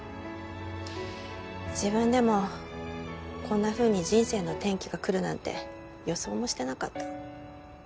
自分でもこんなふうに人生の転機が来るなんて予想もしてなかった。